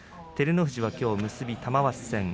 照ノ富士はきょう結び玉鷲戦。